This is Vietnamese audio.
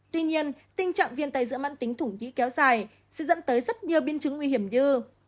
tuy nhiên tình trạng viên tay giữa mắt tính thủng nghĩ kéo dài sẽ dẫn tới rất nhiều biến chứng nguy hiểm như